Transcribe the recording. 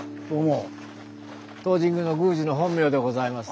当神宮の宮司の本名でございます。